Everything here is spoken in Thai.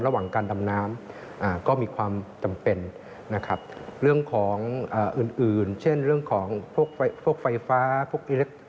ระหว่างการดำน้ำก็มีความจำเป็นนะครับเรื่องของอื่นเช่นเรื่องของพวกไฟฟ้าพวกอิเล็กท